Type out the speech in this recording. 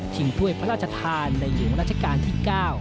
ถ้วยพระราชทานในหลวงราชการที่๙